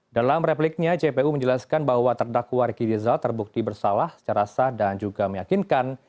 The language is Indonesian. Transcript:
dalam repliknya jpu menjelaskan bahwa terdakwa riki rizal terbukti bersalah secara sah dan juga meyakinkan